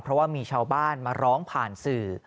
เพราะว่ามีชาวบ้านมาร้องผ่านสื่อ